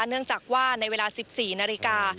เนื่องจากว่าในเวลา๑๔นาฬิกา